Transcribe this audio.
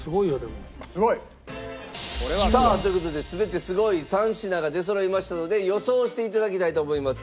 すごい！さあという事で全てすごい３品が出そろいましたので予想して頂きたいと思います。